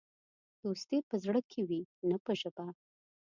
دوستي په زړه کې وي، نه په ژبه.